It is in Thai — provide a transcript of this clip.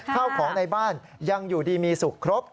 ข้าวของในบ้านยังอยู่ดีมีสุขครบ